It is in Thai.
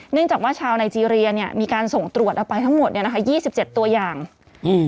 จากว่าชาวไนเจรียเนี้ยมีการส่งตรวจเอาไปทั้งหมดเนี้ยนะคะยี่สิบเจ็ดตัวอย่างอืม